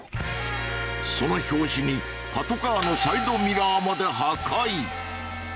その拍子にパトカーのサイドミラーまで破壊。